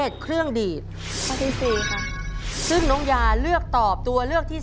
ซึ่งน้องยาเลือกตอบตัวเลือกที่๓